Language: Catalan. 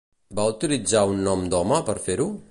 Va utilitzar un nom d'home per fer-ho?